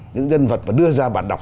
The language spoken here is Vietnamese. những nhân vật mà đưa ra bản đọc